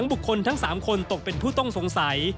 พวกนี้ตกเป็นผู้ต้องสงสัย